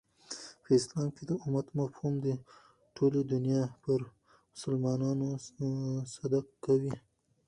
په اسلام کښي د امت مفهوم د ټولي دنیا پر مسلمانانو صدق کوي.